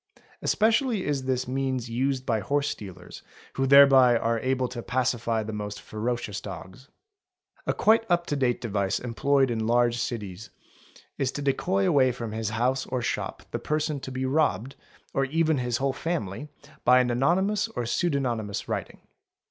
Especially is this means used by horse stealers, who thereby are able to pacify the most ee ferocious dogs. | A quite up to date device employed in large cities is fo decoy away from his house or shop the person to be robbed, or even his whole family, by an anonymous or pseudonymous writing.